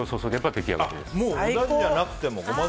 出来上がりです。